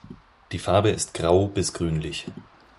Die Farbe ist grau bis grünlich.